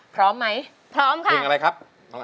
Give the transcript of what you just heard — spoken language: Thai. พร้อมไหมพร้อมค่ะเพลงอะไรครับ